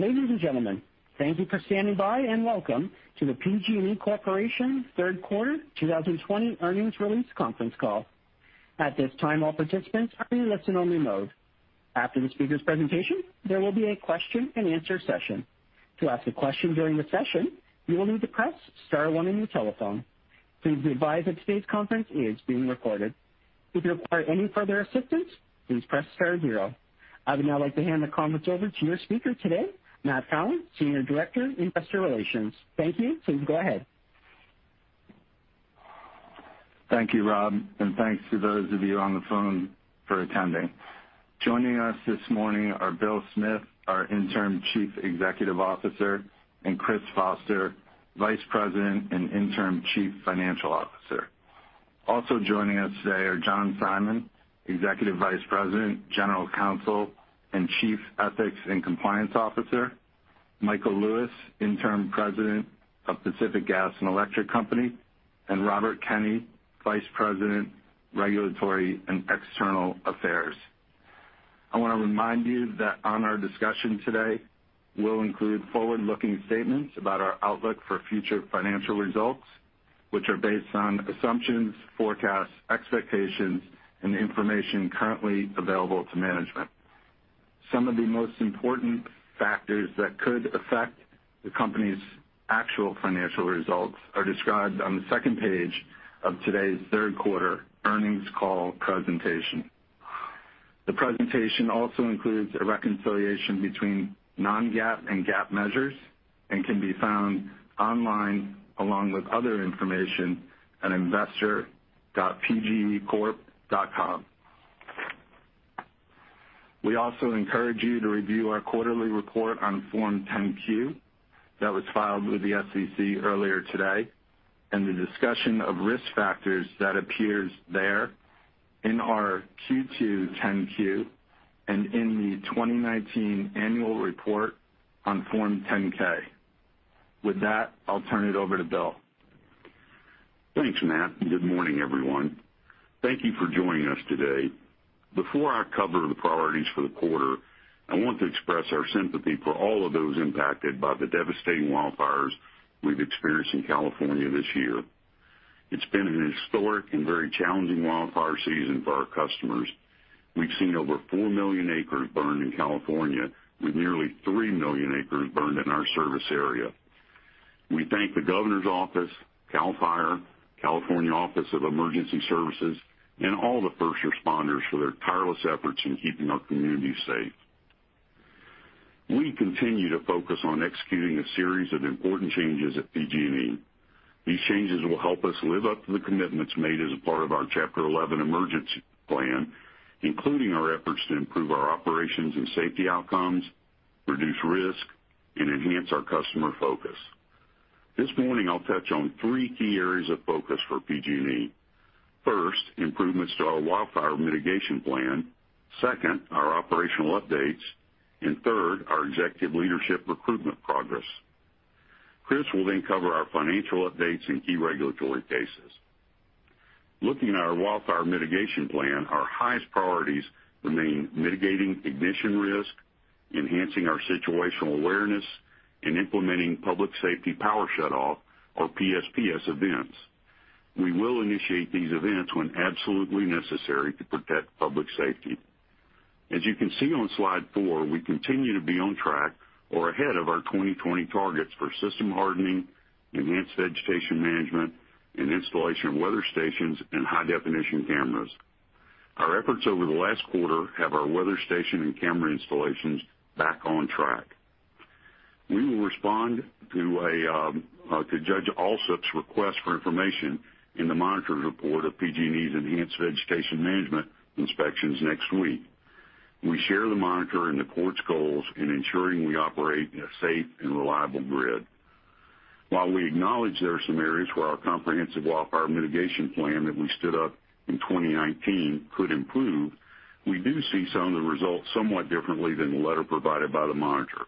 Ladies and gentlemen, thank you for standing by, and welcome to the PG&E Corporation third quarter 2020 earnings release conference call. At this time, all participants are in listen-only mode. After the speaker's presentation, there will be a question-and-answer session. To ask a question during the session, you will need to press star one on your telephone. Please be advised that today's conference is being recorded. If you require any further assistance, please press star zero. I would now like to hand the conference over to your speaker today, Matt Fallon, Senior Director of Investor Relations. Thank you. Please go ahead. Thank you. Please go ahead. Thank you, Rob, thanks to those of you on the phone for attending. Joining us this morning are Bill Smith, our Interim Chief Executive Officer, and Chris Foster, Vice President and Interim Chief Financial Officer. Also joining us today are John Simon, Executive Vice President, General Counsel, and Chief Ethics and Compliance Officer, Michael Lewis, Interim President of Pacific Gas and Electric Company, and Robert Kenney, Vice President, Regulatory and External Affairs. I want to remind you that our discussion today will include forward-looking statements about our outlook for future financial results, which are based on assumptions, forecasts, expectations, and the information currently available to management. Some of the most important factors that could affect the company's actual financial results are described on the second page of today's third quarter earnings call presentation. The presentation also includes a reconciliation between non-GAAP and GAAP measures and can be found online along with other information at investor.pgecorp.com. We also encourage you to review our quarterly report on Form 10-Q that was filed with the SEC earlier today, and the discussion of risk factors that appears there in our Q2 10-Q and in the 2019 annual report on Form 10-K. With that, I'll turn it over to Bill. Thanks, Matt. Good morning, everyone. Thank you for joining us today. Before I cover the priorities for the quarter, I want to express our sympathy for all of those impacted by the devastating wildfires we've experienced in California this year. It's been an historic and very challenging wildfire season for our customers. We've seen over 4 million acres burned in California with nearly 3 million acres burned in our service area. We thank the governor's office, CAL FIRE, California Governor's Office of Emergency Services, and all the first responders for their tireless efforts in keeping our communities safe. We continue to focus on executing a series of important changes at PG&E. These changes will help us live up to the commitments made as a part of our Chapter 11 emergency plan, including our efforts to improve our operations and safety outcomes, reduce risk, and enhance our customer focus. This morning, I'll touch on three key areas of focus for PG&E. First, improvements to our wildfire mitigation plan, second, our operational updates, and third, our executive leadership recruitment progress. Chris will cover our financial updates and key regulatory cases. Looking at our wildfire mitigation plan, our highest priorities remain mitigating ignition risk, enhancing our situational awareness, and implementing Public Safety Power Shutoff or PSPS events. We will initiate these events when absolutely necessary to protect public safety. As you can see on slide four, we continue to be on track or ahead of our 2020 targets for system hardening, enhanced vegetation management, and installation of weather stations and high-definition cameras. Our efforts over the last quarter have our weather station and camera installations back on track. We will respond to Judge Alsup's request for information in the monitor's report of PG&E's enhanced vegetation management inspections next week. We share the monitor and the court's goals in ensuring we operate a safe and reliable grid. While we acknowledge there are some areas where our comprehensive wildfire mitigation plan that we stood up in 2019 could improve, we do see some of the results somewhat differently than the letter provided by the monitor.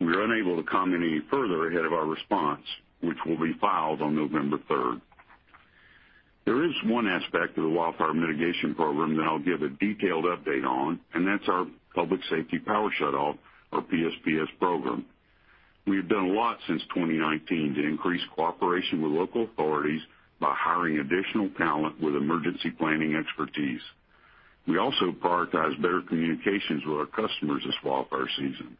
We are unable to comment any further ahead of our response, which will be filed on November third. There is one aspect of the wildfire mitigation program that I'll give a detailed update on, and that's our Public Safety Power Shutoff or PSPS program. We have done a lot since 2019 to increase cooperation with local authorities by hiring additional talent with emergency planning expertise. We also prioritize better communications with our customers this wildfire season.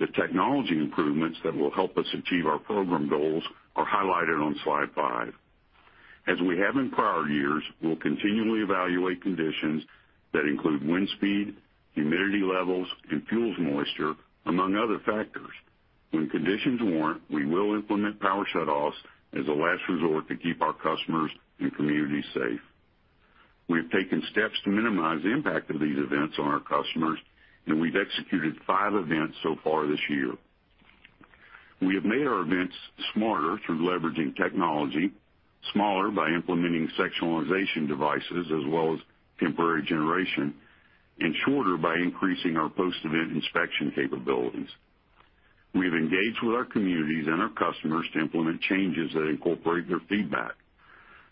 The technology improvements that will help us achieve our program goals are highlighted on slide five. As we have in prior years, we'll continually evaluate conditions that include wind speed, humidity levels, and fuels moisture, among other factors. When conditions warrant, we will implement power shutoffs as a last resort to keep our customers and communities safe. We have taken steps to minimize the impact of these events on our customers, and we've executed five events so far this year. We have made our events smarter through leveraging technology, smaller by implementing sectionalization devices as well as temporary generation, and shorter by increasing our post-event inspection capabilities. We have engaged with our communities and our customers to implement changes that incorporate their feedback.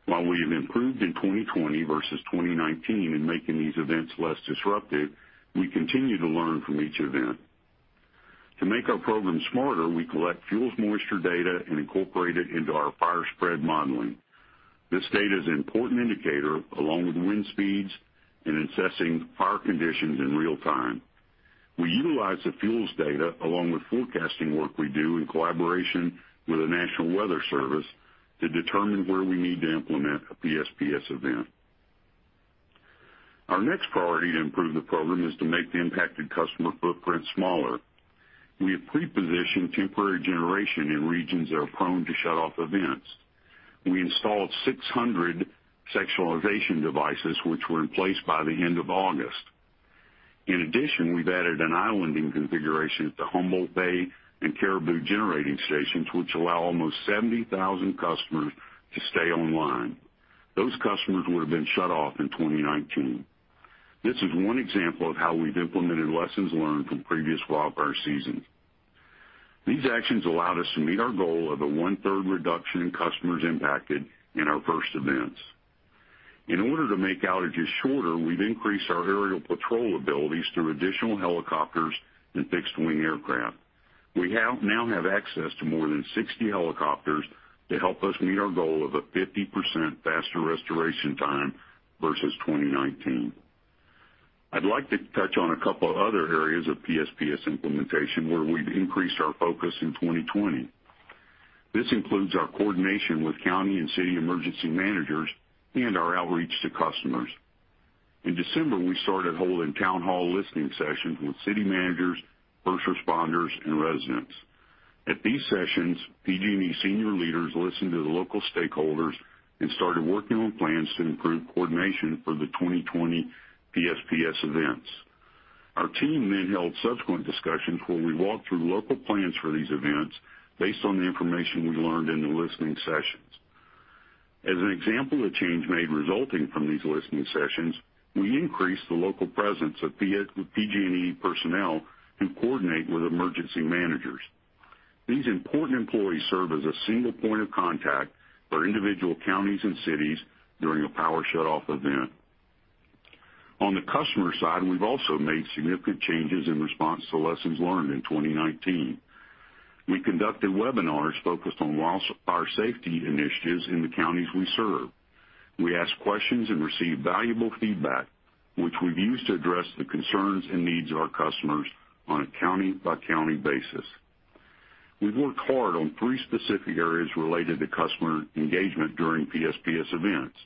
While we have improved in 2020 versus 2019 in making these events less disruptive, we continue to learn from each event. To make our program smarter, we collect fuels moisture data and incorporate it into our fire spread modeling. This data is an important indicator, along with wind speeds, in assessing fire conditions in real time. We utilize the fuels data along with forecasting work we do in collaboration with the National Weather Service to determine where we need to implement a PSPS event. Our next priority to improve the program is to make the impacted customer footprint smaller. We have pre-positioned temporary generation in regions that are prone to shutoff events. We installed 600 sectionalization devices which were in place by the end of August. In addition, we've added an islanding configuration at the Humboldt Bay and Caribou generating stations, which allow almost 70,000 customers to stay online. Those customers would've been shut off in 2019. This is one example of how we've implemented lessons learned from previous wildfire seasons. These actions allowed us to meet our goal of a one-third reduction in customers impacted in our first events. In order to make outages shorter, we've increased our aerial patrol abilities through additional helicopters and fixed-wing aircraft. We now have access to more than 60 helicopters to help us meet our goal of a 50% faster restoration time versus 2019. I'd like to touch on a couple other areas of PSPS implementation where we've increased our focus in 2020. This includes our coordination with county and city emergency managers and our outreach to customers. In December, we started holding town hall listening sessions with city managers, first responders, and residents. At these sessions, PG&E senior leaders listened to the local stakeholders and started working on plans to improve coordination for the 2020 PSPS events. Our team then held subsequent discussions where we walked through local plans for these events based on the information we learned in the listening sessions. As an example of change made resulting from these listening sessions, we increased the local presence of PG&E personnel who coordinate with emergency managers. These important employees serve as a single point of contact for individual counties and cities during a power shutoff event. On the customer side, we've also made significant changes in response to lessons learned in 2019. We conducted webinars focused on wildfire safety initiatives in the counties we serve. We asked questions and received valuable feedback, which we've used to address the concerns and needs of our customers on a county-by-county basis. We've worked hard on three specific areas related to customer engagement during PSPS events.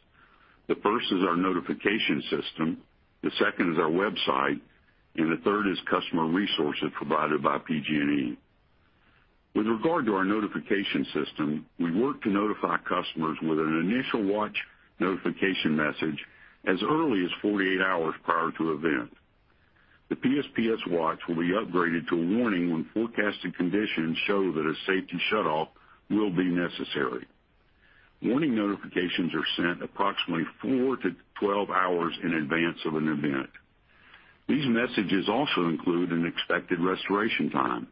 The first is our notification system, the second is our website, and the third is customer resources provided by PG&E. With regard to our notification system, we work to notify customers with an initial watch notification message as early as 48 hours prior to event. The PSPS watch will be upgraded to a warning when forecasted conditions show that a safety shutoff will be necessary. Warning notifications are sent approximately 4-12 hours in advance of an event. These messages also include an expected restoration time.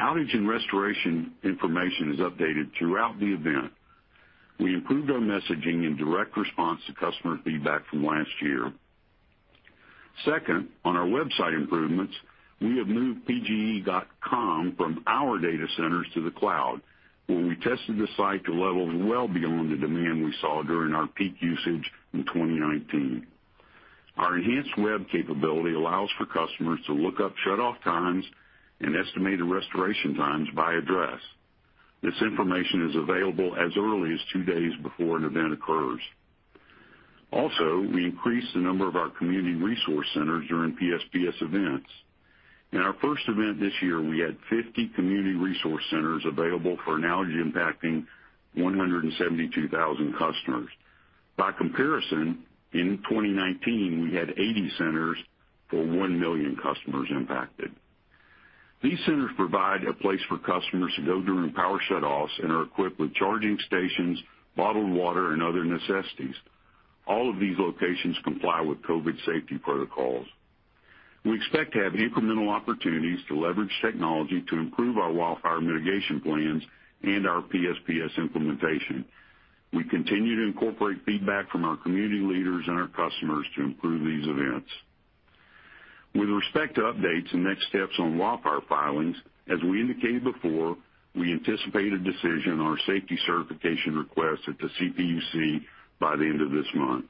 Outage and restoration information is updated throughout the event. We improved our messaging in direct response to customer feedback from last year. Second, on our website improvements, we have moved pge.com from our data centers to the cloud, where we tested the site to levels well beyond the demand we saw during our peak usage in 2019. Our enhanced web capability allows for customers to look up shutoff times and estimated restoration times by address. This information is available as early as two days before an event occurs. We increased the number of our community resource centers during PSPS events. In our first event this year, we had 50 community resource centers available for an outage impacting 172,000 customers. By comparison, in 2019, we had 80 centers for 1 million customers impacted. These centers provide a place for customers to go during power shutoffs and are equipped with charging stations, bottled water, and other necessities. All of these locations comply with COVID safety protocols. We expect to have incremental opportunities to leverage technology to improve our wildfire mitigation plans and our PSPS implementation. We continue to incorporate feedback from our community leaders and our customers to improve these events. With respect to updates and next steps on wildfire filings, as we indicated before, we anticipate a decision on our safety certification request at the CPUC by the end of this month.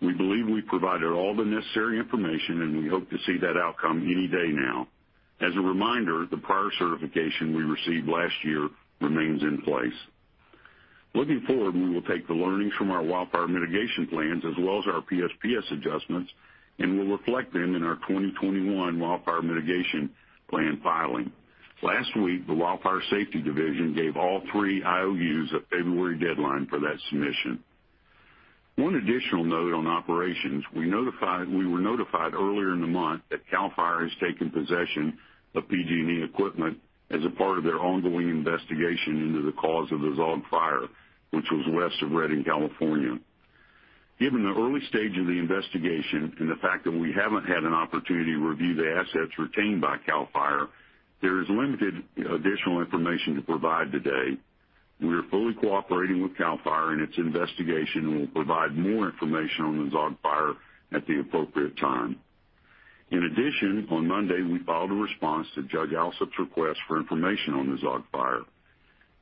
We believe we provided all the necessary information, and we hope to see that outcome any day now. As a reminder, the prior certification we received last year remains in place. Looking forward, we will take the learnings from our Wildfire Mitigation Plans as well as our PSPS adjustments, and we'll reflect them in our 2021 Wildfire Mitigation Plan filing. Last week, the Wildfire Safety Division gave all three IOUs a February deadline for that submission. One additional note on operations, we were notified earlier in the month that CAL FIRE has taken possession of PG&E equipment as a part of their ongoing investigation into the cause of the Zogg Fire, which was west of Redding, California. Given the early stage of the investigation and the fact that we haven't had an opportunity to review the assets retained by CAL FIRE, there is limited additional information to provide today. We are fully cooperating with CAL FIRE in its investigation, and we'll provide more information on the Zogg Fire at the appropriate time. In addition, on Monday, we filed a response to Judge Alsup's request for information on the Zogg Fire.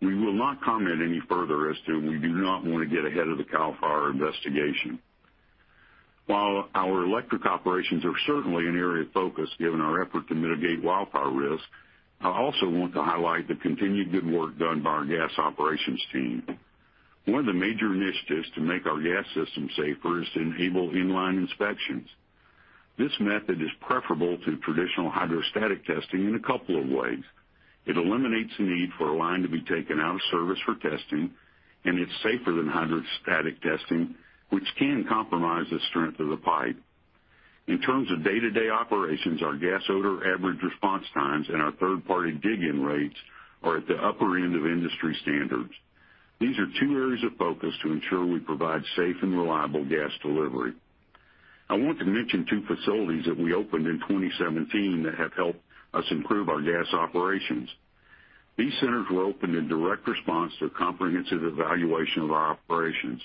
We will not comment any further as to we do not want to get ahead of the CAL FIRE investigation. While our electric operations are certainly an area of focus, given our effort to mitigate wildfire risk, I also want to highlight the continued good work done by our gas operations team. One of the major initiatives to make our gas system safer is to enable inline inspections. This method is preferable to traditional hydrostatic testing in a couple of ways. It eliminates the need for a line to be taken out of service for testing, and it's safer than hydrostatic testing, which can compromise the strength of the pipe. In terms of day-to-day operations, our gas odor average response times and our third-party dig-in rates are at the upper end of industry standards. These are two areas of focus to ensure we provide safe and reliable gas delivery. I want to mention two facilities that we opened in 2017 that have helped us improve our gas operations. These centers were opened in direct response to a comprehensive evaluation of our operations.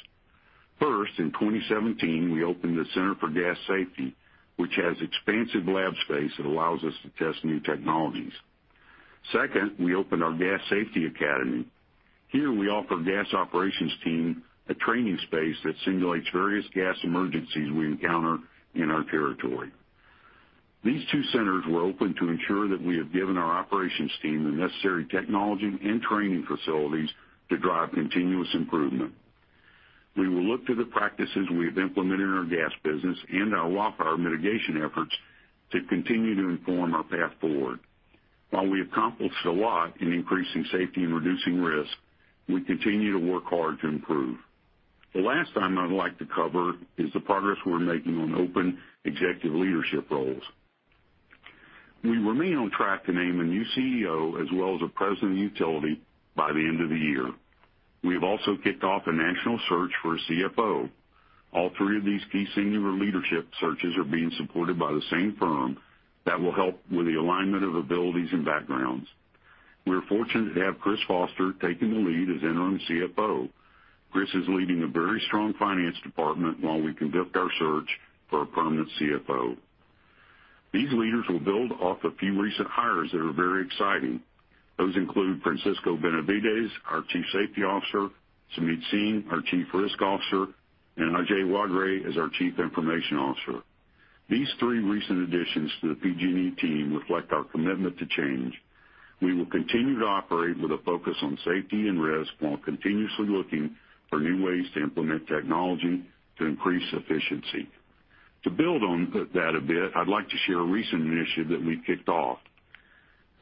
First, in 2017, we opened the Center for Gas Safety, which has expansive lab space that allows us to test new technologies. Second, we opened our Gas Safety Academy. Here, we offer gas operations team a training space that simulates various gas emergencies we encounter in our territory. These two centers were opened to ensure that we have given our operations team the necessary technology and training facilities to drive continuous improvement. We will look to the practices we have implemented in our gas business and our wildfire mitigation efforts to continue to inform our path forward. While we accomplished a lot in increasing safety and reducing risk, we continue to work hard to improve. The last item I'd like to cover is the progress we're making on open executive leadership roles. We remain on track to name a new CEO as well as a president of utility by the end of the year. We have also kicked off a national search for a CFO. All three of these key senior leadership searches are being supported by the same firm that will help with the alignment of abilities and backgrounds. We are fortunate to have Chris Foster taking the lead as Interim CFO. Chris is leading a very strong finance department while we conduct our search for a permanent CFO. These leaders will build off a few recent hires that are very exciting. Those include Francisco Benavides, our Chief Safety Officer, Sumeet Singh, our Chief Risk Officer, and Ajay Waghray as our Chief Information Officer. These three recent additions to the PG&E team reflect our commitment to change. We will continue to operate with a focus on safety and risk while continuously looking for new ways to implement technology to increase efficiency. To build on that a bit, I'd like to share a recent initiative that we kicked off.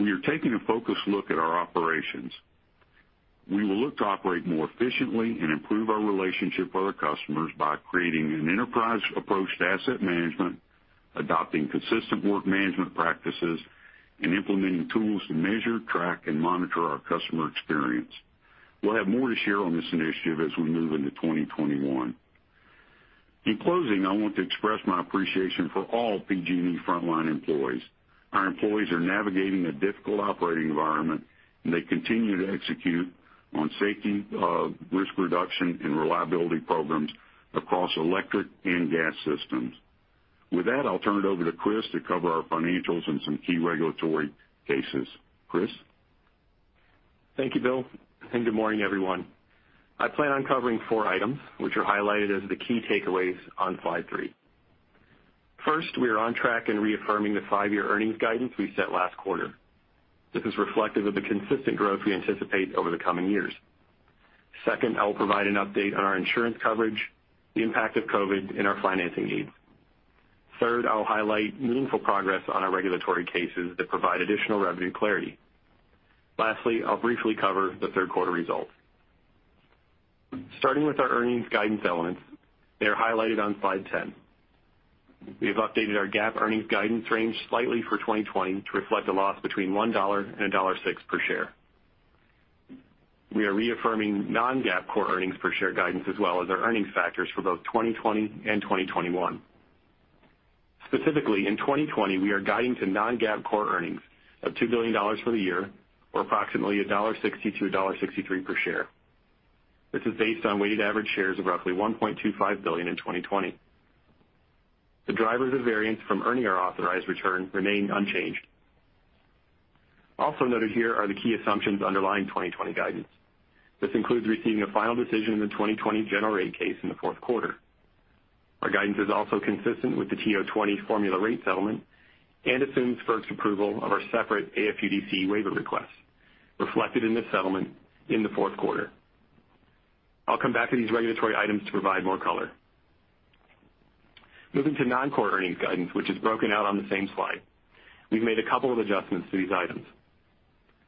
We are taking a focused look at our operations. We will look to operate more efficiently and improve our relationship with our customers by creating an enterprise approach to asset management, adopting consistent work management practices, and implementing tools to measure, track, and monitor our customer experience. We'll have more to share on this initiative as we move into 2021. In closing, I want to express my appreciation for all PG&E frontline employees. Our employees are navigating a difficult operating environment, and they continue to execute on safety, risk reduction, and reliability programs across electric and gas systems. With that, I'll turn it over to Chris to cover our financials and some key regulatory cases. Chris? Thank you, Bill, and good morning, everyone. I plan on covering four items, which are highlighted as the key takeaways on slide three. First, we are on track in reaffirming the five-year earnings guidance we set last quarter. Second, I will provide an update on our insurance coverage, the impact of COVID, and our financing needs. Third, I'll highlight meaningful progress on our regulatory cases that provide additional revenue clarity. Lastly, I'll briefly cover the third quarter results. Starting with our earnings guidance elements, they are highlighted on slide 10. We have updated our GAAP earnings guidance range slightly for 2020 to reflect a loss between $1 and $1.06 per share. We are reaffirming non-GAAP core earnings per share guidance as well as our earnings factors for both 2020 and 2021. Specifically, in 2020, we are guiding to non-GAAP core earnings of $2 billion for the year, or approximately $1.62, $1.63 per share. This is based on weighted average shares of roughly 1.25 billion in 2020. The drivers of variance from earning our authorized return remain unchanged. Also noted here are the key assumptions underlying 2020 guidance. This includes receiving a final decision in the 2020 general rate case in the fourth quarter. Our guidance is also consistent with the TO20 formula rate settlement and assumes FERC's approval of our separate AFUDC waiver request reflected in this settlement in the fourth quarter. I'll come back to these regulatory items to provide more color. Moving to non-core earnings guidance, which is broken out on the same slide. We've made a couple of adjustments to these items.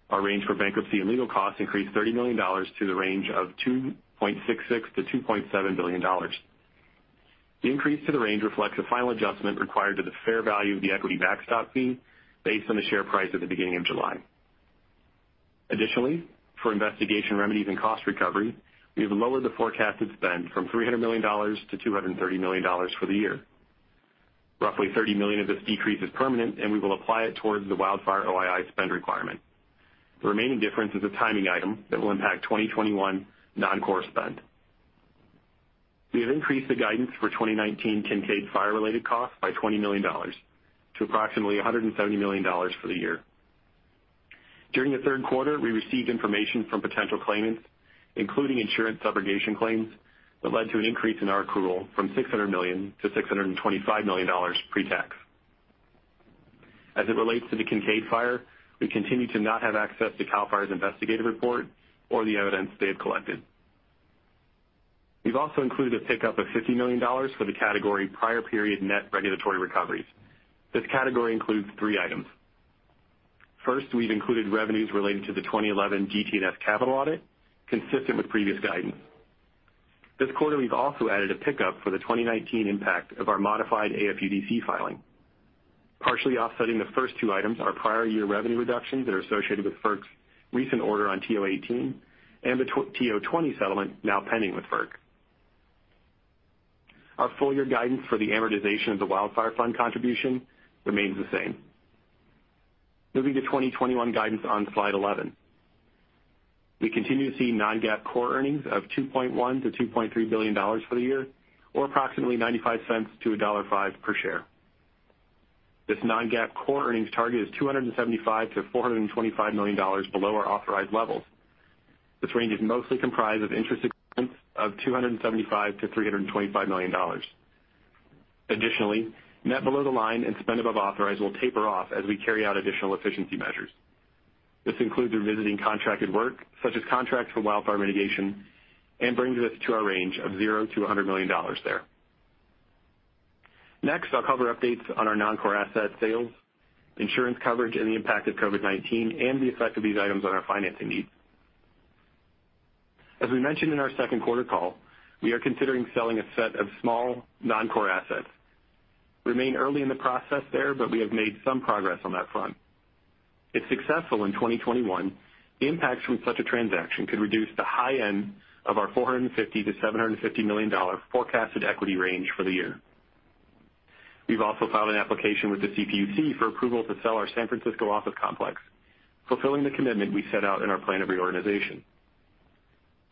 Our range for bankruptcy and legal costs increased $30 million to the range of $2.66 billion-$2.7 billion. The increase to the range reflects a final adjustment required to the fair value of the equity backstop fee based on the share price at the beginning of July. Additionally, for investigation remedies and cost recovery, we have lowered the forecasted spend from $300 million to $230 million for the year. Roughly $30 million of this decrease is permanent, and we will apply it towards the Wildfire OII spend requirement. The remaining difference is a timing item that will impact 2021 non-core spend. We have increased the guidance for 2019 Kincade Fire-related costs by $20 million to approximately $170 million for the year. During the third quarter, we received information from potential claimants, including insurance subrogation claims, that led to an increase in our accrual from $600 million to $625 million pre-tax. As it relates to the Kincade Fire, we continue to not have access to CAL FIRE's investigative report or the evidence they have collected. We've also included a pickup of $50 million for the category prior period net regulatory recoveries. This category includes three items. First, we've included revenues related to the 2011 GT&S capital audit, consistent with previous guidance. This quarter, we've also added a pickup for the 2019 impact of our modified AFUDC filing. Partially offsetting the first two items are prior year revenue reductions that are associated with FERC's recent order on TO18 and the TO20 settlement now pending with FERC. Our full-year guidance for the amortization of the wildfire fund contribution remains the same. Moving to 2021 guidance on slide 11. We continue to see non-GAAP core earnings of $2.1 billion-$2.3 billion for the year, or approximately $0.95-$1.05 per share. This non-GAAP core earnings target is $275 million-$425 million below our authorized levels. This range is mostly comprised of interest expense of $275 million-$325 million. Additionally, net below the line and spend above authorized will taper off as we carry out additional efficiency measures. This includes revisiting contracted work, such as contracts for wildfire mitigation, and brings this to our range of $0 million-$100 million there. I'll cover updates on our non-core asset sales, insurance coverage, and the impact of COVID-19, and the effect of these items on our financing needs. As we mentioned in our second quarter call, we are considering selling a set of small non-core assets. We remain early in the process there, but we have made some progress on that front. If successful in 2021, the impacts from such a transaction could reduce the high end of our $450 million-$750 million forecasted equity range for the year. We've also filed an application with the CPUC for approval to sell our San Francisco office complex, fulfilling the commitment we set out in our plan of reorganization.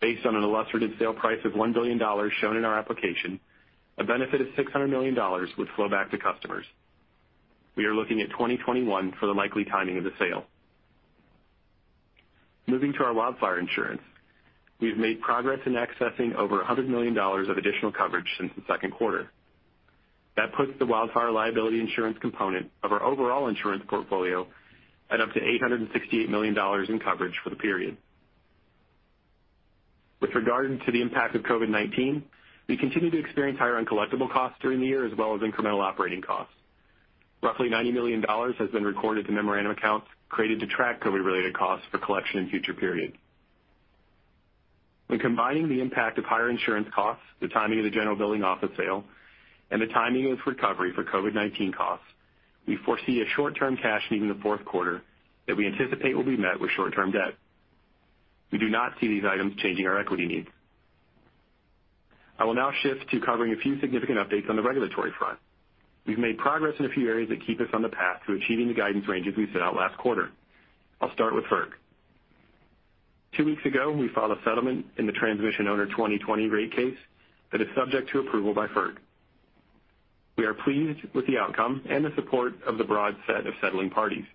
Based on an illustrated sale price of $1 billion shown in our application, a benefit of $600 million would flow back to customers. We are looking at 2021 for the likely timing of the sale. Moving to our wildfire insurance. We have made progress in accessing over $100 million of additional coverage since the second quarter. That puts the wildfire liability insurance component of our overall insurance portfolio at up to $868 million in coverage for the period. With regard to the impact of COVID-19, we continue to experience higher uncollectible costs during the year, as well as incremental operating costs. Roughly $90 million has been recorded to memorandum accounts created to track COVID-related costs for collection in future periods. When combining the impact of higher insurance costs, the timing of the general office building sale, and the timing of recovery for COVID-19 costs, we foresee a short-term cash need in the fourth quarter that we anticipate will be met with short-term debt. We do not see these items changing our equity needs. I will now shift to covering a few significant updates on the regulatory front. We've made progress in a few areas that keep us on the path to achieving the guidance ranges we set out last quarter. I'll start with FERC. Two weeks ago, we filed a settlement in the Transmission Owner 2020 Rate Case that is subject to approval by FERC. We are pleased with the outcome and the support of the broad set of settling parties.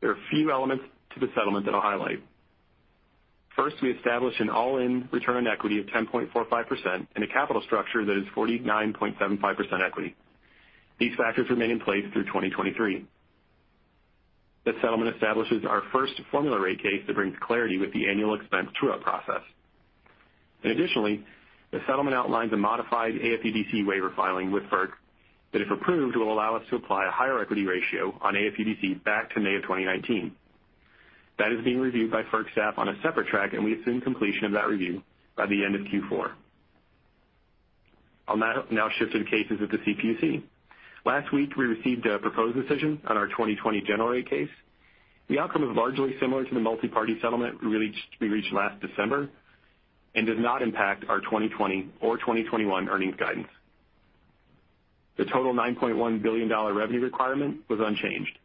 There are a few elements to the settlement that I'll highlight. First, we established an all-in return on equity of 10.45% and a capital structure that is 49.75% equity. These factors remain in place through 2023. The settlement establishes our first formula rate case that brings clarity with the annual expense true-up process. Additionally, the settlement outlines a modified AFUDC waiver filing with FERC that, if approved, will allow us to apply a higher equity ratio on AFUDC back to May of 2019. That is being reviewed by FERC staff on a separate track, and we assume completion of that review by the end of Q4. I'll now shift to the cases at the CPUC. Last week, we received a proposed decision on our 2020 general rate case. The outcome is largely similar to the multi-party settlement we reached last December and does not impact our 2020 or 2021 earnings guidance. The total $9.1 billion revenue requirement was unchanged.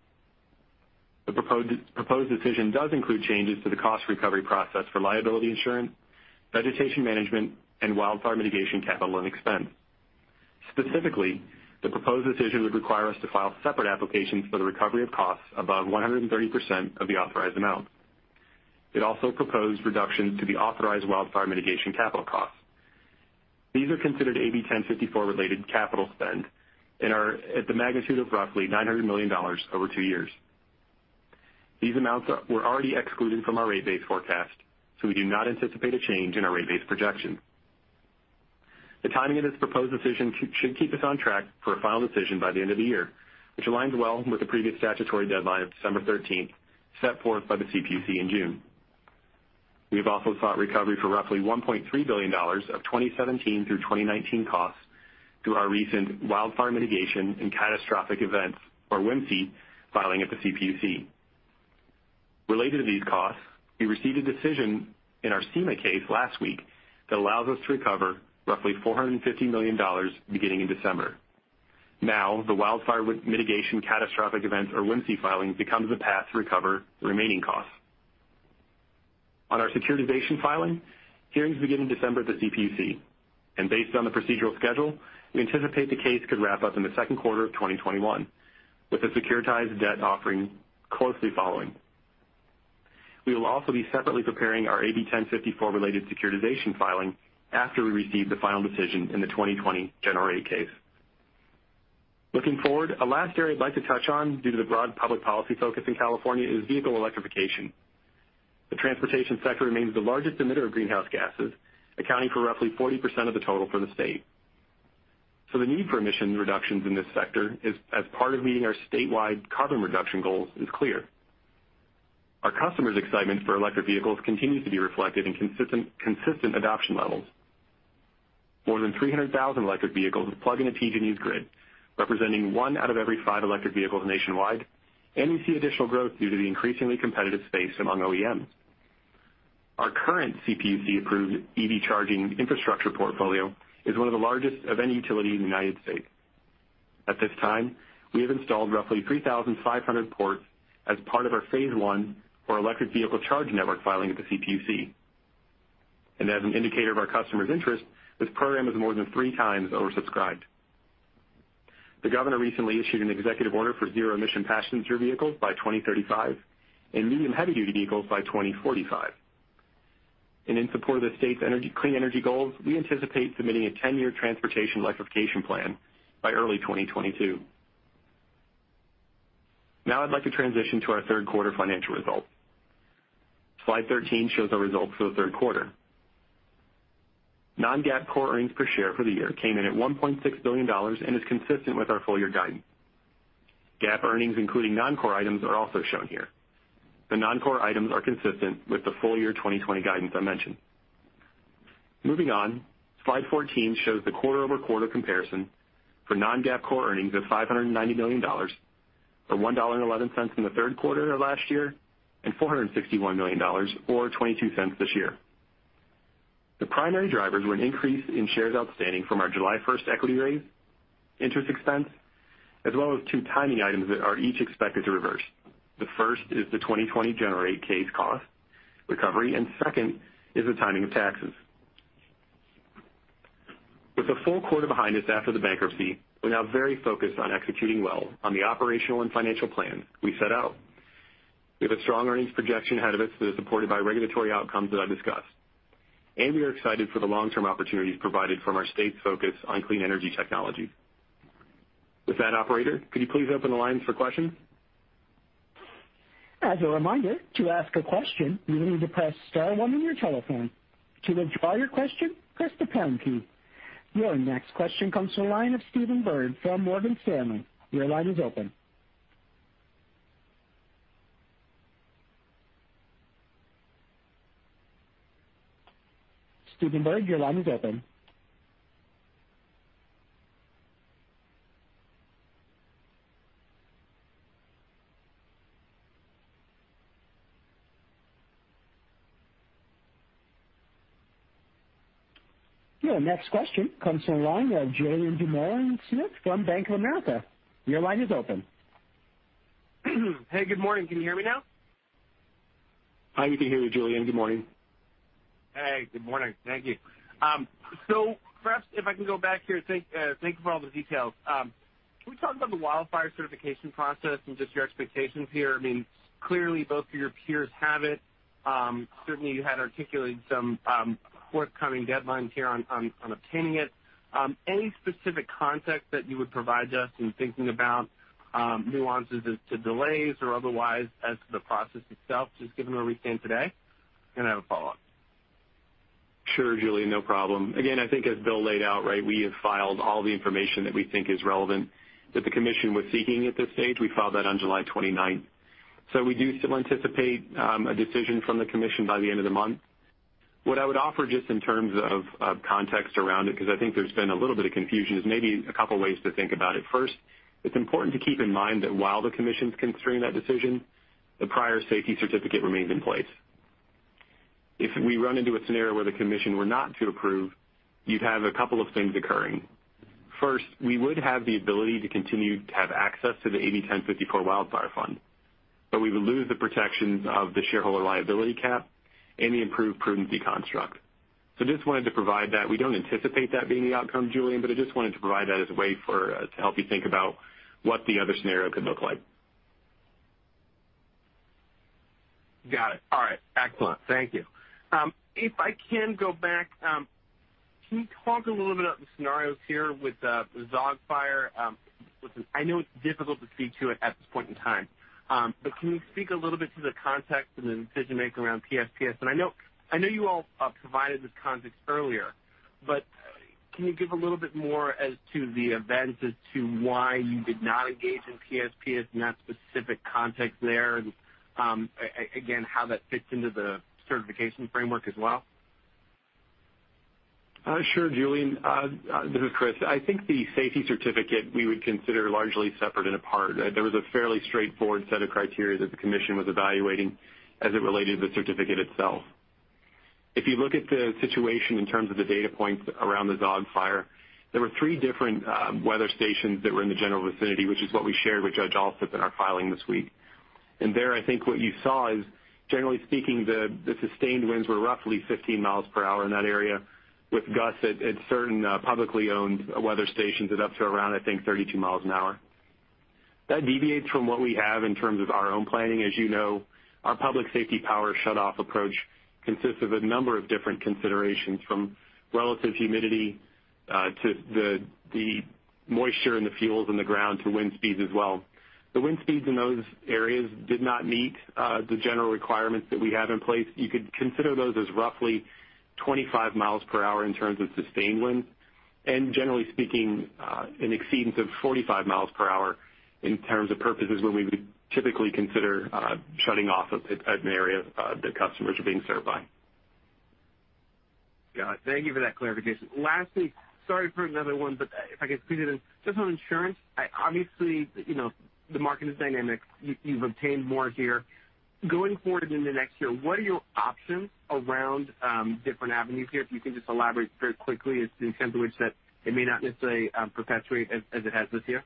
The proposed decision does include changes to the cost recovery process for liability insurance, vegetation management, and wildfire mitigation capital and expense. Specifically, the proposed decision would require us to file separate applications for the recovery of costs above 130% of the authorized amount. It also proposed reductions to the authorized wildfire mitigation capital costs. These are considered AB 1054 related capital spend and are at the magnitude of roughly $900 million over two years. These amounts were already excluded from our rate base forecast, we do not anticipate a change in our rate base projection. The timing of this proposed decision should keep us on track for a final decision by the end of the year, which aligns well with the previous statutory deadline of December 13th, set forth by the CPUC in June. We have also sought recovery for roughly $1.3 billion of 2017 through 2019 costs through our recent Wildfire Mitigation and Catastrophic Events, or WMCE, filing at the CPUC. Related to these costs, we received a decision in our CEMA case last week that allows us to recover roughly $450 million beginning in December. Now, the Wildfire Mitigation Catastrophic Events, or WMCE, filing becomes the path to recover the remaining costs. On our securitization filing, hearings begin in December at the CPUC. Based on the procedural schedule, we anticipate the case could wrap up in the second quarter of 2021, with the securitized debt offering closely following. We will also be separately preparing our AB 1054 related securitization filing after we receive the final decision in the 2020 Gen Rate case. Looking forward, a last area I'd like to touch on due to the broad public policy focus in California is vehicle electrification. The transportation sector remains the largest emitter of greenhouse gases, accounting for roughly 40% of the total for the state. The need for emission reductions in this sector as part of meeting our statewide carbon reduction goals is clear. Our customers' excitement for electric vehicles continues to be reflected in consistent adoption levels. More than 300,000 electric vehicles plug into PG&E's grid, representing one out of every five electric vehicles nationwide, and we see additional growth due to the increasingly competitive space among OEMs. Our current CPUC-approved EV charging infrastructure portfolio is one of the largest of any utility in the United States. At this time, we have installed roughly 3,500 ports as part of our phase I for electric vehicle charging network filing at the CPUC. As an indicator of our customers' interest, this program is more than three times oversubscribed. The governor recently issued an executive order for zero-emission passenger vehicles by 2035 and medium-heavy-duty vehicles by 2045. In support of the state's clean energy goals, we anticipate submitting a 10-year transportation electrification plan by early 2022. Now I'd like to transition to our third quarter financial results. Slide 13 shows our results for the third quarter. Non-GAAP core earnings per share for the year came in at $1.6 billion and is consistent with our full-year guidance. GAAP earnings, including non-core items, are also shown here. The non-core items are consistent with the full-year 2020 guidance I mentioned. Moving on, slide 14 shows the quarter-over-quarter comparison for non-GAAP core earnings of $590 million, or $1.11 in the third quarter of last year, and $461 million or $0.22 this year. The primary drivers were an increase in shares outstanding from our July 1st equity raise, interest expense, as well as two timing items that are each expected to reverse. The first is the 2020 Gen Rate case cost recovery. Second is the timing of taxes. With a full quarter behind us after the bankruptcy, we're now very focused on executing well on the operational and financial plan we set out. We have a strong earnings projection ahead of us that is supported by regulatory outcomes that I've discussed. We are excited for the long-term opportunities provided from our state's focus on clean energy technology. With that Operator, could you please open the lines for questions? Your next question comes to the line of Stephen Byrd from Morgan Stanley. Your line is open. Stephen Byrd, your line is open. Your next question comes from the line of Julien Dumoulin-Smith from Bank of America. Your line is open. Hey, good morning. Can you hear me now? Hi, we can hear you, Julien. Good morning. Hey, good morning. Thank you. Perhaps if I can go back here, thank you for all the details. Can we talk about the wildfire certification process and just your expectations here? Clearly, both of your peers have it. Certainly, you had articulated some forthcoming deadlines here on obtaining it. Any specific context that you would provide to us in thinking about nuances as to delays or otherwise as to the process itself, just given where we stand today? I'm going to have a follow-up. Sure, Julien, no problem. Again, I think as Bill laid out, we have filed all the information that we think is relevant that the commission was seeking at this stage. We filed that on July 29th. We do still anticipate a decision from the commission by the end of the month. What I would offer just in terms of context around it, because I think there's been a little bit of confusion, is maybe a couple of ways to think about it. First, it's important to keep in mind that while the commission is considering that decision, the prior safety certificate remains in place. If we run into a scenario where the commission were not to approve, you'd have a couple of things occurring. First, we would have the ability to continue to have access to the AB 1054 wildfire fund, but we would lose the protections of the shareholder liability cap and the improved prudency construct. I just wanted to provide that. We don't anticipate that being the outcome, Julian, but I just wanted to provide that as a way to help you think about what the other scenario could look like. Got it. All right, excellent. Thank you. If I can go back, can you talk a little bit about the scenarios here with the Zogg Fire? Listen, I know it's difficult to speak to it at this point in time, but can you speak a little bit to the context and the decision-making around PSPS? I know you all provided this context earlier, but Can you give a little bit more as to the events as to why you did not engage in PSPS in that specific context there, and, again, how that fits into the certification framework as well? Sure, Julien. This is Chris. I think the safety certificate we would consider largely separate and apart. There was a fairly straightforward set of criteria that the commission was evaluating as it related to the certificate itself. If you look at the situation in terms of the data points around the Zogg Fire, there were three different weather stations that were in the general vicinity, which is what we shared with Judge Alsup in our filing this week. There, I think what you saw is, generally speaking, the sustained winds were roughly 15 miles per hour in that area, with gusts at certain publicly owned weather stations at up to around, I think, 32 miles an hour. That deviates from what we have in terms of our own planning. As you know, our Public Safety Power Shutoff approach consists of a number of different considerations, from relative humidity to the moisture in the fuels in the ground to wind speeds as well. The wind speeds in those areas did not meet the general requirements that we have in place. You could consider those as roughly 25 miles per hour in terms of sustained winds, and generally speaking, an exceedance of 45 miles per hour in terms of purposes where we would typically consider shutting off an area that customers are being served by. Got it. Thank you for that clarification. Lastly, sorry for another one, but if I could squeeze it in. Just on insurance, obviously, the market is dynamic. You've obtained more here. Going forward and into next year, what are your options around different avenues here, if you can just elaborate very quickly in terms of which that it may not necessarily perpetuate as it has this year?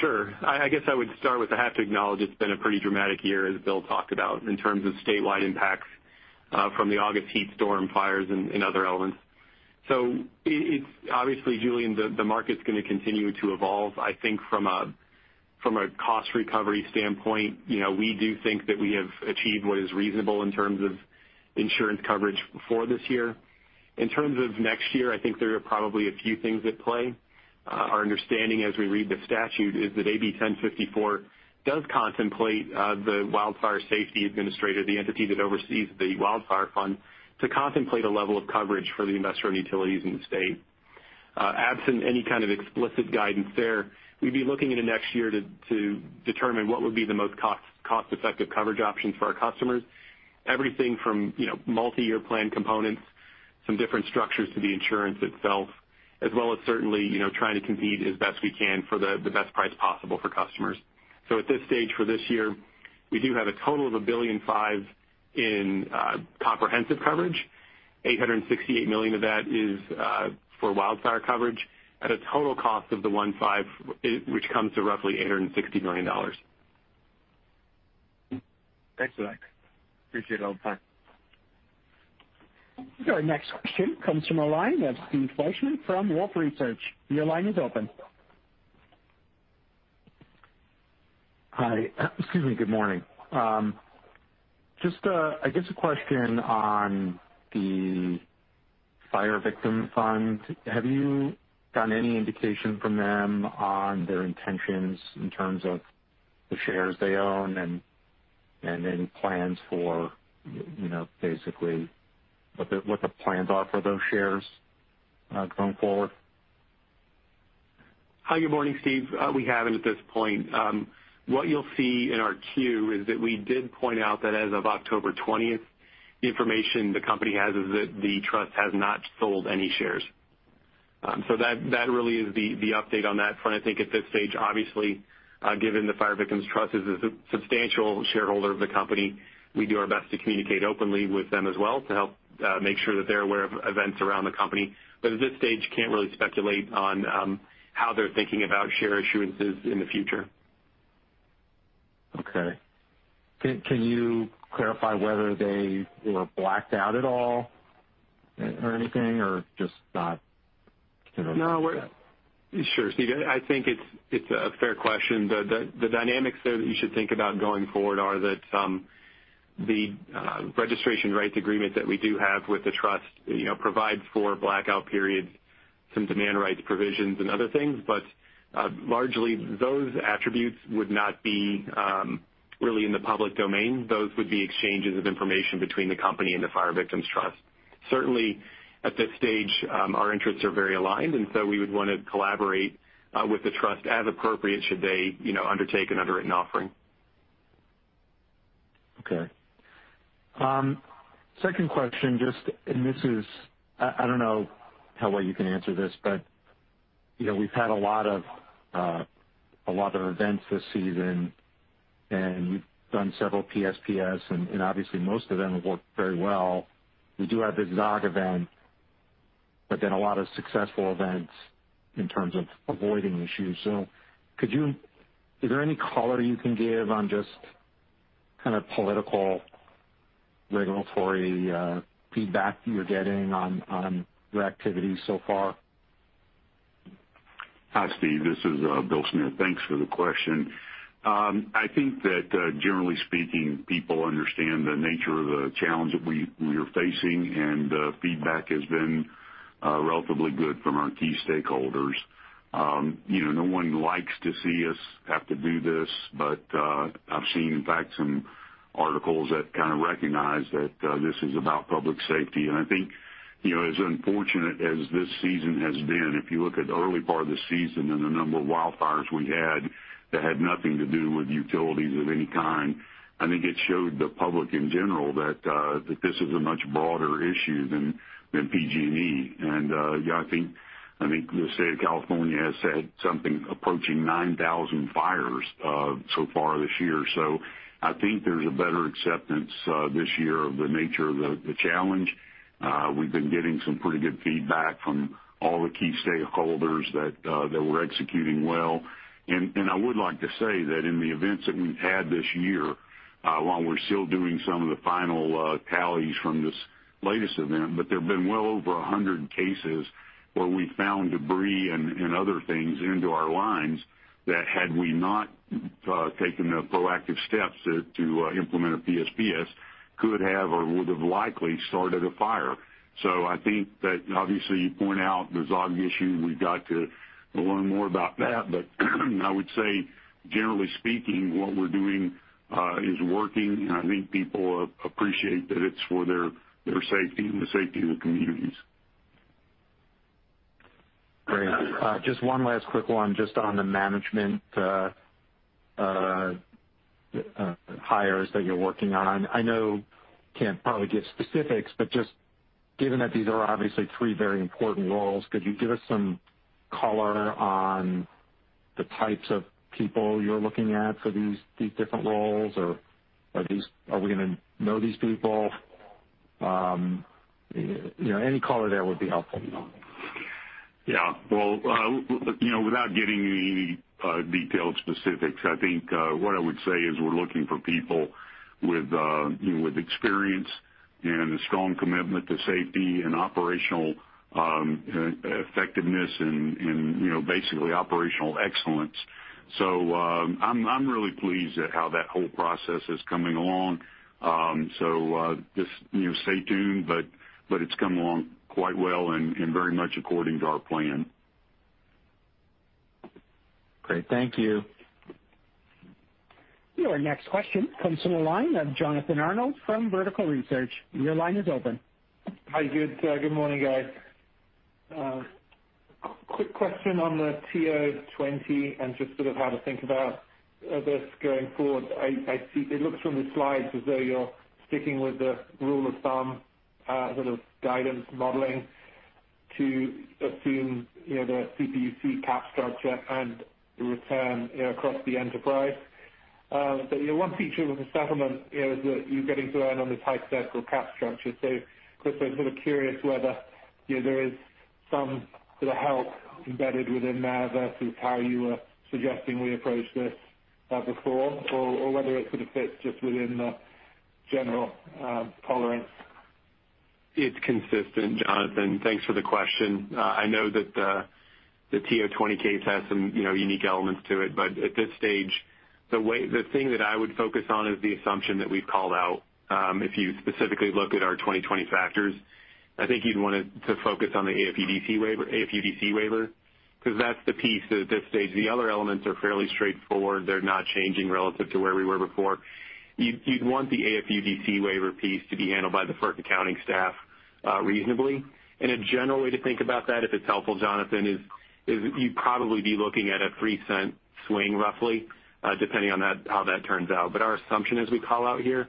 Sure. I guess I would start with, I have to acknowledge it's been a pretty dramatic year, as Bill talked about, in terms of statewide impacts from the August heat storm fires and other elements. Obviously, Julien, the market's going to continue to evolve. I think from a cost recovery standpoint, we do think that we have achieved what is reasonable in terms of insurance coverage for this year. In terms of next year, I think there are probably a few things at play. Our understanding as we read the statute is that AB 1054 does contemplate the wildfire safety administrator, the entity that oversees the wildfire fund, to contemplate a level of coverage for the investor-owned utilities in the state. Absent any kind of explicit guidance there, we'd be looking into next year to determine what would be the most cost-effective coverage options for our customers. Everything from multi-year plan components, some different structures to the insurance itself, as well as certainly trying to compete as best we can for the best price possible for customers. At this stage, for this year, we do have a total of $1.5 billion in comprehensive coverage, $868 million of that is for wildfire coverage, at a total cost of the $1.5 billion, which comes to roughly $860 million. Thanks for that. Appreciate all the time. Our next question comes from a line of Steve Fleishman from Wolfe Research. Your line is open. Hi. Excuse me. Good morning. Just, I guess a question on the Fire Victim Trust. Have you gotten any indication from them on their intentions in terms of the shares they own and any plans for basically what the plans are for those shares going forward? Hi, good morning, Steve. We haven't at this point. What you'll see in our Q is that we did point out that as of October 20th, the information the company has is that the trust has not sold any shares. That really is the update on that front. I think at this stage, obviously, given the Fire Victim Trust is a substantial shareholder of the company, we do our best to communicate openly with them as well to help make sure that they're aware of events around the company. At this stage, can't really speculate on how they're thinking about share issuances in the future. Okay. Can you clarify whether they were blacked out at all or anything? Sure, Steve. I think it's a fair question. The dynamics there that you should think about going forward are that the registration rights agreement that we do have with the trust provides for blackout periods, some demand rights provisions, and other things. Largely, those attributes would not be really in the public domain. Those would be exchanges of information between the company and the Fire Victim Trust. Certainly, at this stage, our interests are very aligned, we would want to collaborate with the trust as appropriate should they undertake an underwritten offering. Okay. Second question. This is, I don't know how well you can answer this. We've had a lot of events this season. You've done several PSPS. Obviously, most of them have worked very well. We do have the Zogg Fire. A lot of successful events in terms of avoiding issues. Is there any color you can give on just kind of political regulatory feedback you're getting on your activities so far? Hi, Steve. This is Bill Smith. Thanks for the question. I think that generally speaking, people understand the nature of the challenge that we are facing, and the feedback has been relatively good from our key stakeholders. No one likes to see us have to do this, I've seen, in fact, some articles that kind of recognize that this is about public safety. I think, as unfortunate as this season has been, if you look at the early part of the season and the number of wildfires we had that had nothing to do with utilities of any kind, I think it showed the public in general that this is a much broader issue than PG&E. I think the state of California has had something approaching 9,000 fires so far this year. I think there's a better acceptance this year of the nature of the challenge. We've been getting some pretty good feedback from all the key stakeholders that we're executing well. I would like to say that in the events that we've had this year, while we're still doing some of the final tallies from this latest event, but there've been well over 100 cases where we found debris and other things into our lines that had we not taken the proactive steps to implement a PSPS, could have or would've likely started a fire. I think that obviously you point out the Zogg Fire, we've got to learn more about that. I would say, generally speaking, what we're doing is working, and I think people appreciate that it's for their safety and the safety of the communities. Great. Just one last quick one just on the management hires that you're working on. I know can't probably give specifics, but just given that these are obviously three very important roles, could you give us some color on the types of people you're looking at for these different roles? Or are we going to know these people? Any color there would be helpful. Yeah. Well, without giving any detailed specifics, I think, what I would say is we're looking for people with experience and a strong commitment to safety and operational effectiveness and basically operational excellence. I'm really pleased at how that whole process is coming along. Just stay tuned, but it's come along quite well and very much according to our plan. Great. Thank you. Your next question comes from the line of Jonathan Arnold from Vertical Research. Your line is open. Hi. Good morning, guys. Quick question on the TO20 and just sort of how to think about this going forward. It looks from the slides as though you're sticking with the rule of thumb sort of guidance modeling to assume the CPUC cap structure and the return across the enterprise. One feature of the settlement is that you're getting to earn on this higher equity cap structure. Chris, I'm sort of curious whether there is some sort of help embedded within there versus how you were suggesting we approach this before, or whether it sort of fits just within the general tolerance. It's consistent, Jonathan. Thanks for the question. I know that the TO20 case has some unique elements to it. At this stage, the thing that I would focus on is the assumption that we've called out. If you specifically look at our 2020 factors, I think you'd want to focus on the AFUDC waiver, because that's the piece at this stage. The other elements are fairly straightforward. They're not changing relative to where we were before. You'd want the AFUDC waiver piece to be handled by the FERC accounting staff reasonably. A general way to think about that, if it's helpful, Jonathan, is you'd probably be looking at a $0.03 swing roughly, depending on how that turns out. Our assumption as we call out here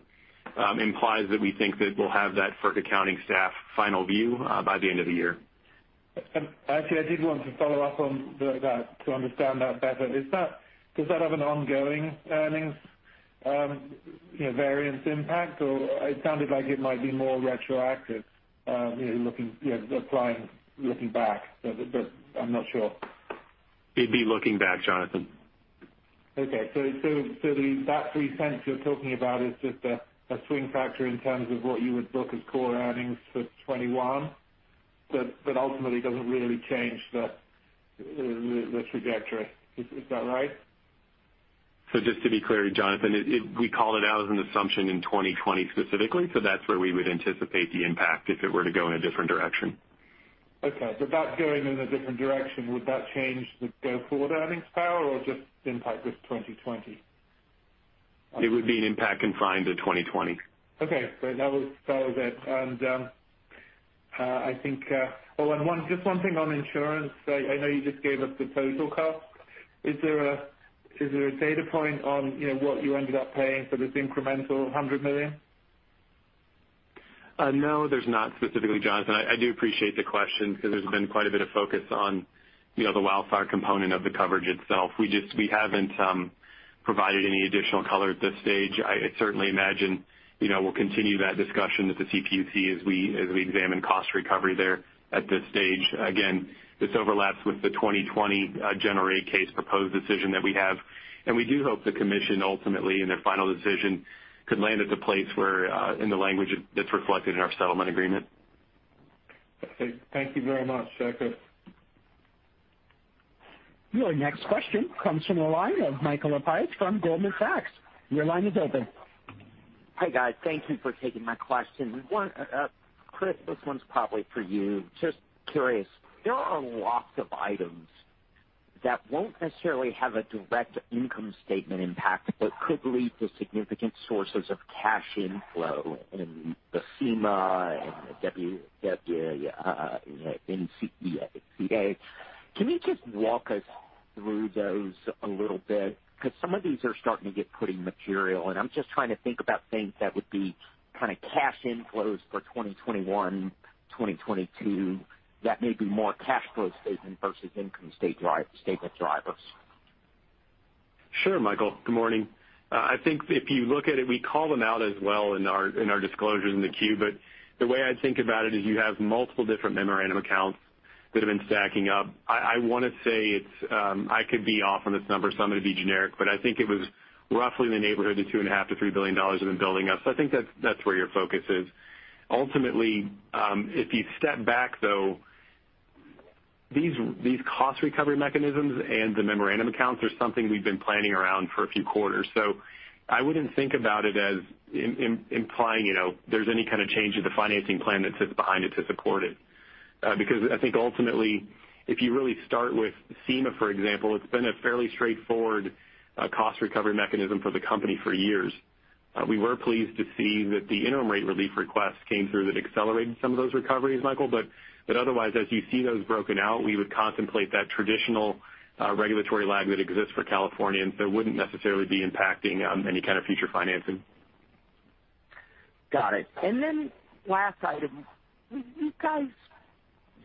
implies that we think that we'll have that FERC accounting staff final view by the end of the year. Actually, I did want to follow up on that to understand that better. Does that have an ongoing earnings variance impact, or it sounded like it might be more retroactive applying looking back, but I'm not sure? It'd be looking back, Jonathan. That $0.03 you're talking about is just a swing factor in terms of what you would book as core earnings for 2021, but ultimately doesn't really change the trajectory. Is that right? Just to be clear, Jonathan, we called it out as an assumption in 2020 specifically. That's where we would anticipate the impact if it were to go in a different direction. Okay. That going in a different direction, would that change the go-forward earnings power or just impact this 2020? It would be an impact confined to 2020. Okay. Great. That was it. Just one thing on insurance. I know you just gave us the total cost. Is there a data point on what you ended up paying for this incremental $100 million? No, there's not specifically, Jonathan. I do appreciate the question because there's been quite a bit of focus on the wildfire component of the coverage itself. We haven't provided any additional color at this stage. I certainly imagine we'll continue that discussion with the CPUC as we examine cost recovery there at this stage. Again, this overlaps with the 2020 General Rate Case proposed decision that we have, and we do hope the Commission ultimately in their final decision could land at the place where in the language that's reflected in our settlement agreement. Okay. Thank you very much. Your next question comes from the line of Michael Lapides from Goldman Sachs. Your line is open. Hi, guys. Thank you for taking my question. Chris, this one's probably for you. Just curious, there are lots of items that won't necessarily have a direct income statement impact, could lead to significant sources of cash inflow in the CEMA and WEMA. Can you just walk us through those a little bit? Some of these are starting to get pretty material, and I'm just trying to think about things that would be kind of cash inflows for 2021, 2022 that may be more cash flow statement versus income statement drivers. Sure, Michael. Good morning. I think if you look at it, we call them out as well in our disclosures in the Q. The way I think about it is you have multiple different memorandum accounts that have been stacking up. I want to say it's, I could be off on this number, so I'm going to be generic, but I think it was roughly in the neighborhood of $2.5 billion-$3 billion have been building up. I think that's where your focus is. Ultimately, if you step back, though, these cost recovery mechanisms and the memorandum accounts are something we've been planning around for a few quarters. I wouldn't think about it as implying there's any kind of change in the financing plan that sits behind it to support it. I think ultimately, if you really start with CEMA, for example, it's been a fairly straightforward cost recovery mechanism for the company for years. We were pleased to see that the interim rate relief request came through that accelerated some of those recoveries, Michael. Otherwise, as you see those broken out, we would contemplate that traditional regulatory lag that exists for California, so it wouldn't necessarily be impacting any kind of future financing. Got it. Last item. When you guys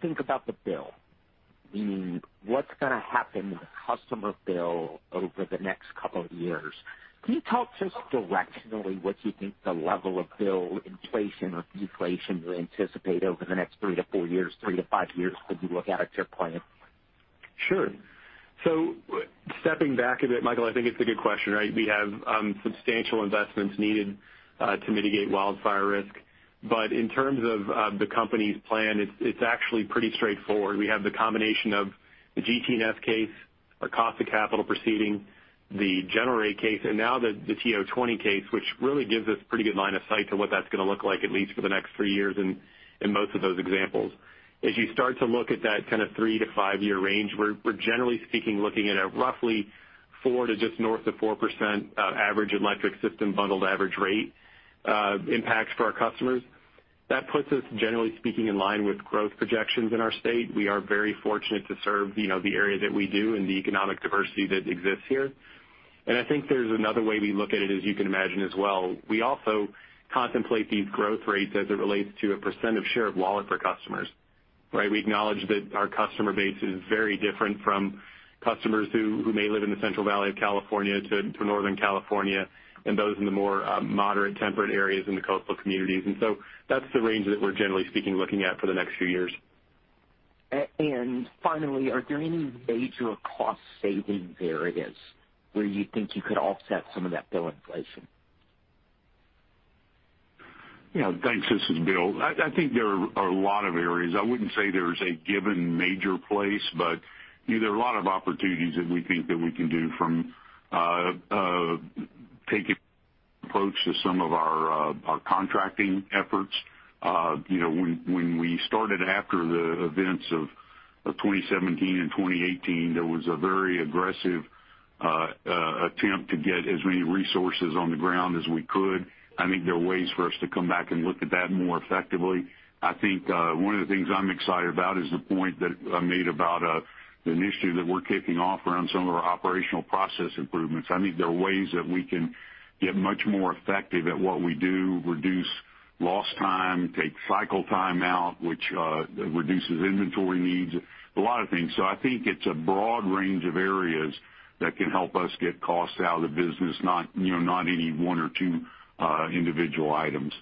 think about the bill, meaning what's going to happen with the customer bill over the next couple of years, can you talk just directionally what you think the level of bill inflation or deflation you anticipate over the next three to four years, three to five years as you look out at your plan? Sure. Stepping back a bit, Michael, I think it's a good question, right? We have substantial investments needed to mitigate wildfire risk. In terms of the company's plan, it's actually pretty straightforward. We have the combination of the GT&S case, our cost of capital proceeding, the general rate case, and now the TO20 case, which really gives us pretty good line of sight to what that's going to look like, at least for the next three years in most of those examples. As you start to look at that kind of three to five-year range, we're generally speaking looking at a roughly 4% to just north of 4% average electric system bundled average rate impact for our customers. That puts us, generally speaking, in line with growth projections in our state. We are very fortunate to serve the area that we do and the economic diversity that exists here. I think there's another way we look at it, as you can imagine as well. We also contemplate these growth rates as it relates to a percentage of share of wallet for customers, right? We acknowledge that our customer base is very different from customers who may live in the Central Valley of California to Northern California and those in the more moderate temperate areas in the coastal communities. That's the range that we're generally speaking looking at for the next few years. Finally, are there any major cost saving areas where you think you could offset some of that bill inflation? Yeah. Thanks. This is Bill. I think there are a lot of areas. I wouldn't say there's a given major place, but there are a lot of opportunities that we think that we can do from taking approach to some of our contracting efforts. When we started after the events of 2017 and 2018, there was a very aggressive attempt to get as many resources on the ground as we could. I think there are ways for us to come back and look at that more effectively. I think one of the things I'm excited about is the point that I made about an initiative that we're kicking off around some of our operational process improvements. I think there are ways that we can get much more effective at what we do, reduce lost time, take cycle time out, which reduces inventory needs, a lot of things. I think it's a broad range of areas that can help us get costs out of the business, not any one or two individual items.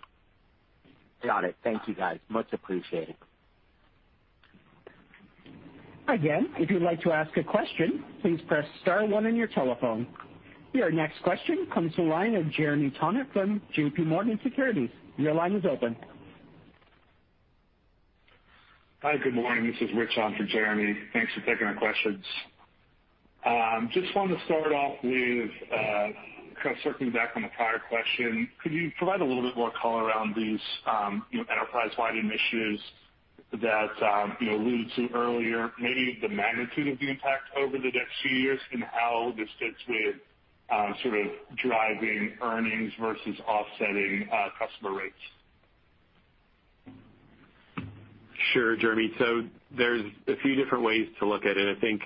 Got it. Thank you, guys. Much appreciated. Again, if you'd like to ask a question, please press star one on your telephone. Your next question comes from the line of Jeremy Tonet from JPMorgan Securities. Your line is open. Hi, good morning. This is Rich on for Jeremy. Thanks for taking our questions. Just wanted to start off with kind of circling back on the prior question. Could you provide a little bit more color around these enterprise-wide initiatives that you alluded to earlier? Maybe the magnitude of the impact over the next few years and how this fits with sort of driving earnings versus offsetting customer rates? Sure, Jeremy. There's a few different ways to look at it. I think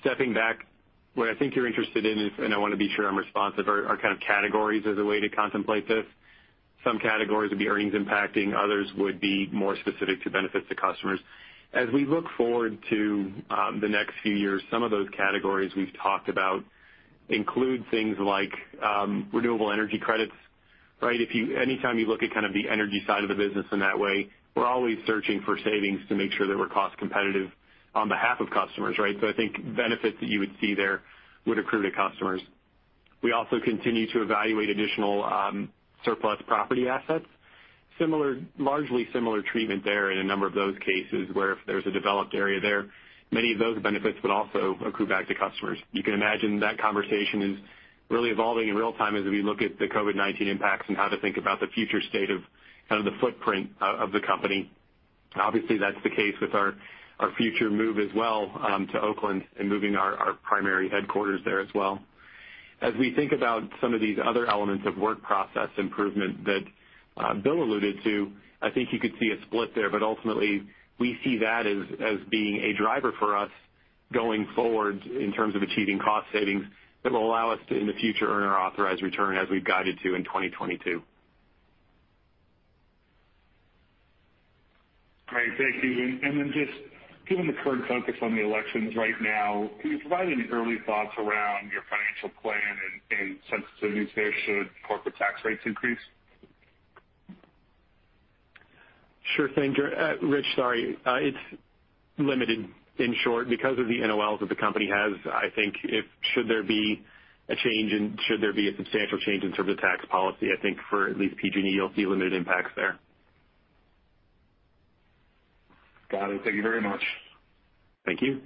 stepping back, what I think you're interested in is, and I want to be sure I'm responsive, are kind of categories as a way to contemplate this. Some categories would be earnings impacting, others would be more specific to benefits to customers. As we look forward to the next few years, some of those categories we've talked about include things like renewable energy credits, right? Anytime you look at kind of the energy side of the business in that way, we're always searching for savings to make sure that we're cost competitive on behalf of customers, right? I think benefits that you would see there would accrue to customers. We also continue to evaluate additional surplus property assets. Largely similar treatment there in a number of those cases, where if there's a developed area there, many of those benefits would also accrue back to customers. You can imagine that conversation is really evolving in real time as we look at the COVID-19 impacts and how to think about the future state of the footprint of the company. Obviously, that's the case with our future move as well to Oakland and moving our primary headquarters there as well. As we think about some of these other elements of work process improvement that Bill alluded to, I think you could see a split there, but ultimately, we see that as being a driver for us going forward in terms of achieving cost savings that will allow us to, in the future, earn our authorized return as we've guided to in 2022. Great. Thank you. Just given the current focus on the elections right now, can you provide any early thoughts around your financial plan and sensitivities there should corporate tax rates increase? Sure thing, Rich. Sorry. It's limited, in short, because of the NOLs that the company has. I think should there be a substantial change in terms of tax policy, I think for at least PG&E, you'll see limited impacts there. Got it. Thank you very much. Thank you.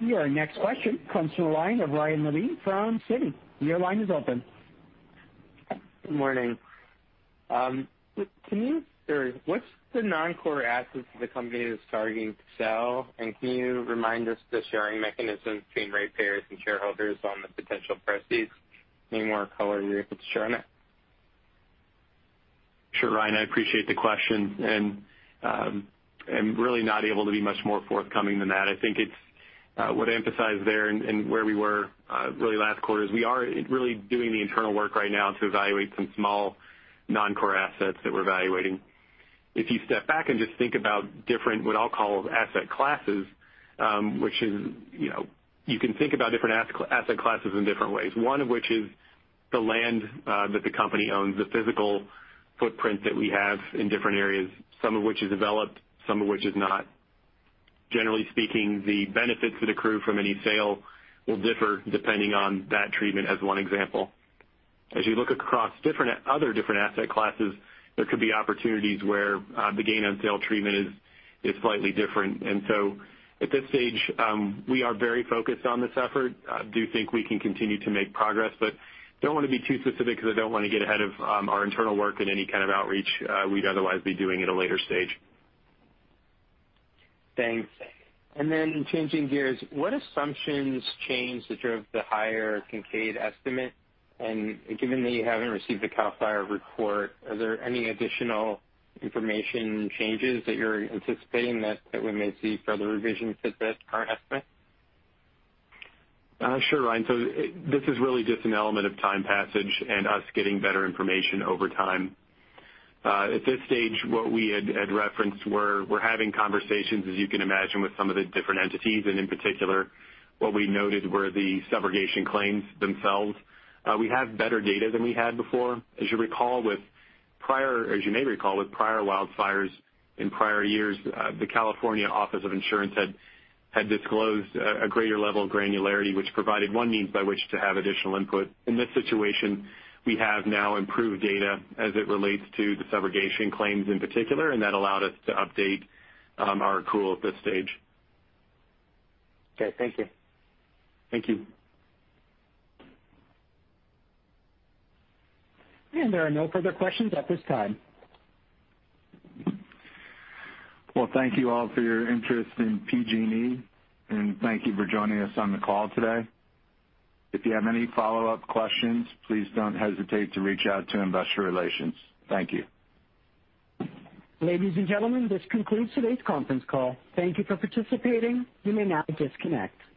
Your next question comes from the line of Ryan Levine from Citi. Your line is open. Good morning. What's the non-core assets that the company is targeting to sell, and can you remind us of the sharing mechanism between ratepayers and shareholders on the potential proceeds? Any more color you're able to share on that? Sure, Ryan. I appreciate the question. I'm really not able to be much more forthcoming than that. I think I would emphasize there and where we were really last quarter, is we are really doing the internal work right now to evaluate some small non-core assets that we're evaluating. If you step back and just think about different, what I'll call asset classes, which is you can think about different asset classes in different ways. One of which is the land that the company owns, the physical footprint that we have in different areas, some of which is developed, some of which is not. Generally speaking, the benefits that accrue from any sale will differ depending on that treatment as one example. As you look across other different asset classes, there could be opportunities where the gain on sale treatment is slightly different. At this stage, we are very focused on this effort. I do think we can continue to make progress, but don't want to be too specific because I don't want to get ahead of our internal work and any kind of outreach we'd otherwise be doing at a later stage. Thanks. Changing gears, what assumptions changed that drove the higher Kincade estimate? Given that you haven't received the CAL FIRE report, are there any additional information changes that you're anticipating that we may see further revisions to this current estimate? Sure, Ryan. This is really just an element of time passage and us getting better information over time. At this stage, what we had referenced were, we're having conversations, as you can imagine, with some of the different entities, and in particular, what we noted were the subrogation claims themselves. We have better data than we had before. As you may recall with prior wildfires in prior years, the California Department of Insurance had disclosed a greater level of granularity, which provided one means by which to have additional input. In this situation, we have now improved data as it relates to the subrogation claims in particular, and that allowed us to update our accrual at this stage. Okay. Thank you. Thank you. There are no further questions at this time. Well, thank you all for your interest in PG&E, and thank you for joining us on the call today. If you have any follow-up questions, please don't hesitate to reach out to investor relations. Thank you. Ladies and gentlemen, this concludes today's conference call. Thank you for participating. You may now disconnect.